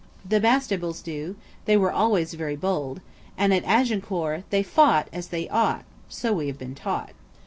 The Bastables do; they were always very bold. And at Agincourt They fought As they ought; So we have been taught."